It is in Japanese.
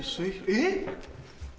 えっ？